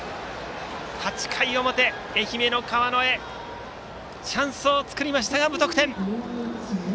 ８回の表、愛媛の川之江チャンスを作りましたが無得点。